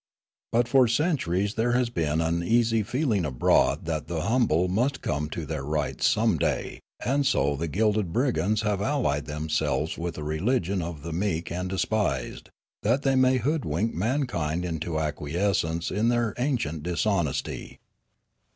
But for centuries there has been an uneasy feeling abroad that the humble must come to their rights some day ; and so the gilded brigands have allied themselves with a religion of the meek and despised, that they may hoodwink mankind into acquiescence in their ancient dishonesty.